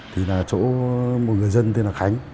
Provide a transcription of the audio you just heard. thì là chỗ một người dân tên là khánh